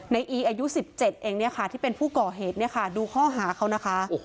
ในอี๑๗เองค่ะที่เป็นผู้ก่อเหตุดูข้อหาเขานะคะ